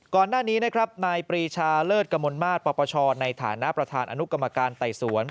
ก่อนหน้านี้นะครับนายปรีชาเลิศกมลมาตรปปชในฐานะประธานอนุกรรมการไต่สวน